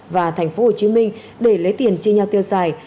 và thành phố hồ chí minh để lấy tiền chia nhau tiêu giải